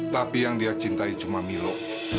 tapi yang dia cintai cuma milo